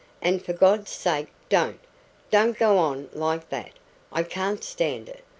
"And for God's sake don't don't go on like that! I can't stand it.